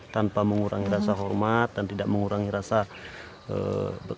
tanpa mengurangi rasa hormat dan tidak mengurangi rasa kecil hati kami